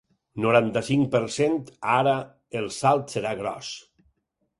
Noranta-cinc per cent Ara el salt serà gros.